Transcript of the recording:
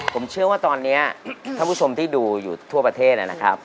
ผมเชื่อว่าตอนนี้ท่านผู้ชมที่ดูอยู่ทั่วประเทศนะครับ